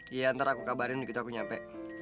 iya ntar aku kabarin begitu aku nyampe